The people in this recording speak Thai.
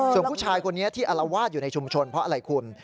ส่วนผู้ชายคนนี้ที่อลวาดอยู่ในชุมชนเพราะอะไรคุณ